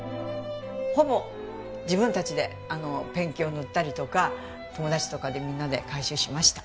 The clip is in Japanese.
ほぼ自分たちでペンキを塗ったりとか友達とかでみんなで改修しました。